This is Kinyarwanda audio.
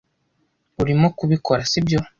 Urimo kubikora, sibyo?